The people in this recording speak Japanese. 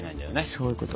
そういうこと。